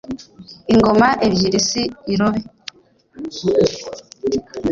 ingoma ebyiri si irobe